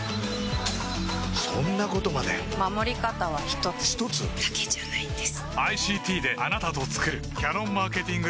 そんなことまで守り方は一つ一つ？だけじゃないんです